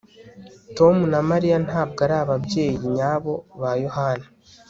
Tom na Mariya ntabwo ari ababyeyi nyabo ba Yohana